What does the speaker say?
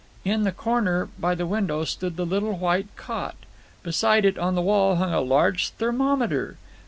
In the corner by the window stood the little white cot. Beside it on the wall hung a large thermometer.